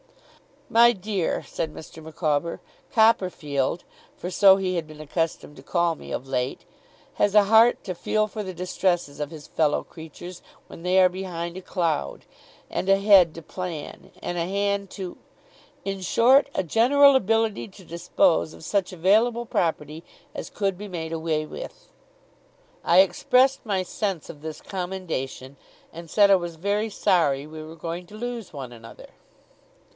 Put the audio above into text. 'My dear,' said Mr. Micawber; 'Copperfield,' for so he had been accustomed to call me, of late, 'has a heart to feel for the distresses of his fellow creatures when they are behind a cloud, and a head to plan, and a hand to in short, a general ability to dispose of such available property as could be made away with.' I expressed my sense of this commendation, and said I was very sorry we were going to lose one another.